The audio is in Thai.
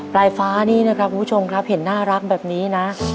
ปลายฟ้านี่นะครับคุณผู้ชมครับเห็นน่ารักแบบนี้นะ